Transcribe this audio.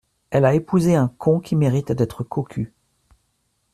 Elle a épousé un con qui mérite d’être cocu.